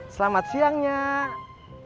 selamat siang nyak